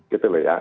gitu loh ya